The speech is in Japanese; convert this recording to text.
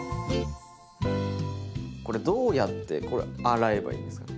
どうやってこれ洗えばいいんですか？